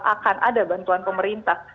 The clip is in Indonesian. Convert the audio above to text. akan ada bantuan pemerintah